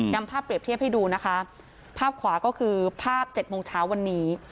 นำภาพเปรียบเทียบให้ดูนะคะภาพขวาก็คือภาพ๗โมงเช้าวันนี้